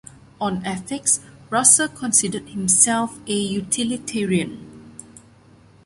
On ethics, Russell considered himself a utilitarian.